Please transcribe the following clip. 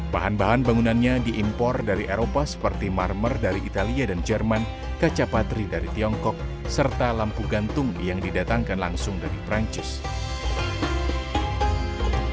bahan bahan bangunannya diimpor dari eropa seperti marmer dari italia dan jerman kaca patri dari tiongkok serta lampu gantung yang didatangkan langsung dari perancis